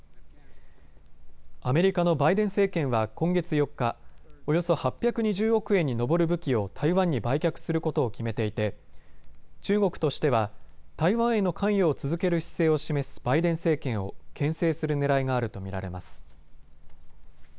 アメリカのバイデン政権は今月４日、およそ８２０億円に上る武器を台湾に売却することを決めていて中国としては台湾への関与を続ける姿勢を示すバイデン政権をけん制するねらいがあると見られます。